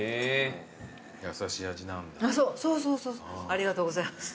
ありがとうございます。